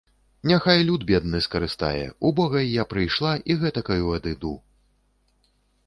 Няхай люд бедны скарыстае, убогай я прыйшла і гэткаю адыду!